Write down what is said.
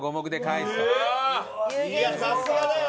いやさすがだよ！